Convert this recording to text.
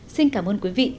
xin cảm ơn quý vị